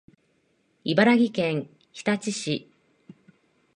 茨城県日立市